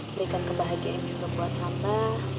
berikan kebahagiaan juga buat hatta